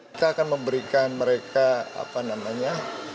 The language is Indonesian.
kita akan memberikan mereka apa namanya